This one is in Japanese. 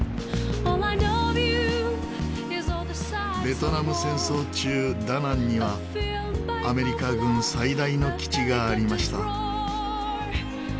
ベトナム戦争中ダナンにはアメリカ軍最大の基地がありました。